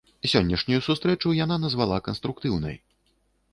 Сённяшнюю сустрэчу яна назвала канструктыўнай.